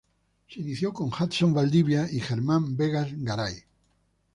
Se inició con Hudson Valdivia y Germán Vegas Garay.